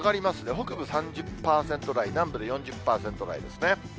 北部３０％台、南部で４０％台ですね。